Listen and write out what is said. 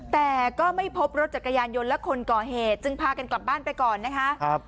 แต่ก็ไม่พบรถจักรยานยนต์และคนก่อเหตุจึงพากันกลับบ้านไปก่อนนะคะ